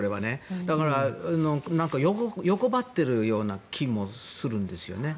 だから、欲張っているような気もするんですよね。